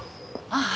ああ。